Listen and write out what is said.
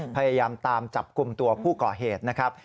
พยายามตามจับกลุ่มตัวผู้ก่อเหตุนะครับ